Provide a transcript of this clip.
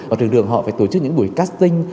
ở trường đường họ phải tổ chức những buổi casting